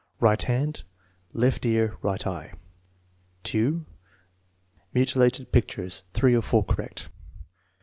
Right hand; left ear; right eye. . Mutilated pictures. (3 of 4 correct.)